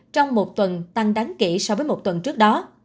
trong một tuần tăng đáng kể so với một tuần trước đó